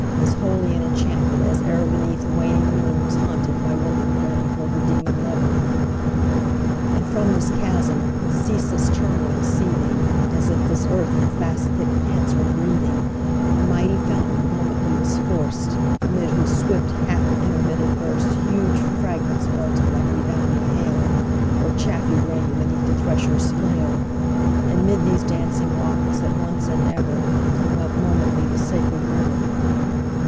as holy and enchanted As e'er beneath a waning moon was haunted 15 By woman wailing for her demon lover! And from this chasm, with ceaseless turmoil seething, As if this earth in fast thick pants were breathing, A mighty fountain momently was forced; Amid whose swift half intermitted burst 20 Huge fragments vaulted like rebounding hail, Or chaffy grain beneath the thresher's flail: And 'mid these dancing rocks at once and ever It flung up momently the sacred river.